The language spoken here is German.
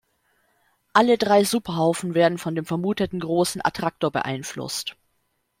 Alle drei Superhaufen werden von dem vermuteten Großen Attraktor beeinflusst.